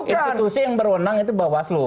institusi yang berwenang itu bawaslu